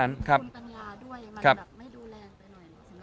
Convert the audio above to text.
คุณปัญญาด้วยมันแบบไม่ดูแรงไปหน่อย